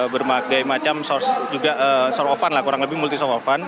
bermakai macam source juga source of fun lah kurang lebih multi source of fun